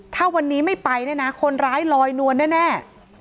ถ้าวันนี้ไม่ไปเนี่ยนะคนร้ายลอยนวลแน่